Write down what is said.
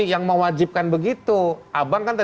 yang saya bicarakan itu bukan perbuatan